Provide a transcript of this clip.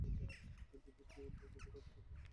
যদি কেউ অন্যায় কিছু করে, তার লেজ আমি কেটে দিবো!